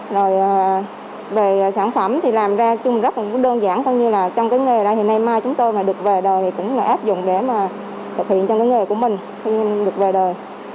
rồi về sản phẩm thì làm ra chung rất là đơn giản không như là trong cái nghề này thì hôm nay mai chúng tôi mà được về đời thì cũng là áp dụng để mà thực hiện trong cái nghề của mình khi được về đời